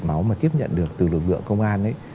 máu mà tiếp nhận được từ lực lượng công an ấy